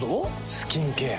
スキンケア。